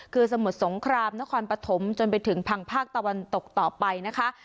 คือสมุทรสงครามนครปฐมจนไปถึงพังภาคตะวันตกต่อไปนะคะ